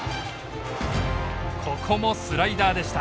ここもスライダーでした。